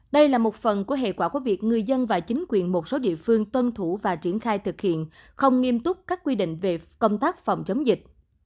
đây là một phần của hệ quả của việc người dân và chính quyền một số địa phương tuân thủ và triển khai thực hiện không nghiêm túc các quy định về công tác phòng chống dịch